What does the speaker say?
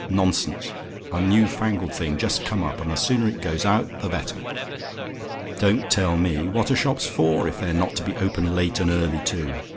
Nonsense! a new fangled thing, just come up; and the sooner it goes out, the better. "Don't tell me! What are shops for, if they're not to be open late and early too?